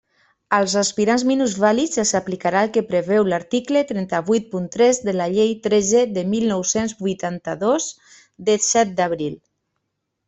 Als aspirants minusvàlids se'ls aplicarà el que preveu l'article trenta-vuit punt tres de la Llei tretze de mil nou-cents vuitanta-dos de set d'abril.